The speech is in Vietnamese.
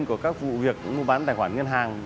của các vụ việc mua bán tài khoản ngân hàng